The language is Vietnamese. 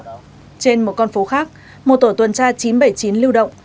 trên một con phố khác một tổ tuần tra chín trăm bảy mươi chín lưu động